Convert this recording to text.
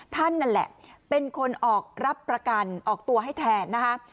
นั่นแหละเป็นคนออกรับประกันออกตัวให้แทนนะคะ